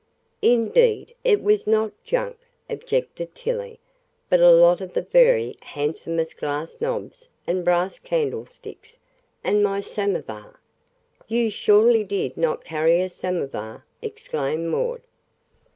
"Indeed, it was not junk," objected Tillie, "but a lot of the very handsomest glass knobs and brass candlesticks, and my samovar." "You surely did not carry a samovar!" exclaimed Maud.